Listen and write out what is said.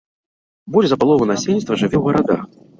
Больш за палову насельніцтва жыве ў гарадах.